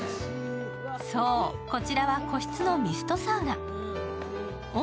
そう、こちらは個室のミストサウナ。